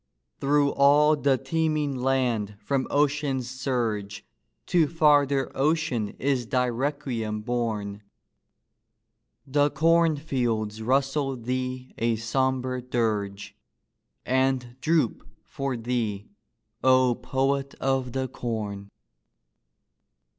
Through all the teeming land from ocean's surge To farther ocean is thy requiem borne : The corn fields rustle thee a sombre dirge And droop for thee, O poet of the corn